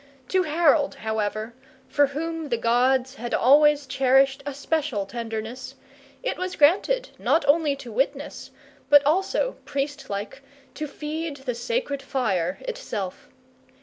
To Harold, however, for whom the gods had always cherished a special tenderness, it was granted, not only to witness, but also, priestlike, to feed the sacred fire itself.